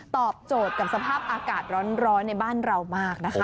ตอบโจทย์กับสภาพอากาศร้อนในบ้านเรามากนะคะ